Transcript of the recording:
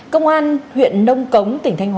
công an huyện nông cống tỉnh thành phú